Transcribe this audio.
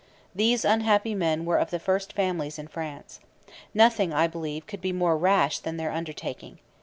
These unhappy men were of the first families in France. Nothing, I believe, could be more rash than their undertaking.